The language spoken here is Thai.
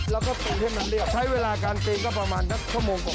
แล้วก็ปรุงให้มันเรียบใช้เวลาการตีก็ประมาณสักชั่วโมงกว่า